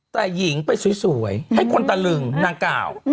แต่หญิงไปสวยให้คนตะลึงนางกล่าว